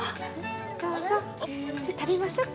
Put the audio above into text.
どうぞじゃあ食べましょうか。